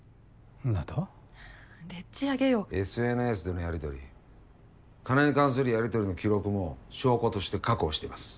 ＳＮＳでのやり取り金に関するやり取りの記録も証拠として確保してます。